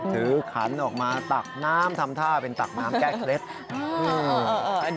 ขันออกมาตักน้ำทำท่าเป็นตักน้ำแก้เคล็ด